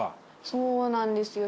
そうなんですよ。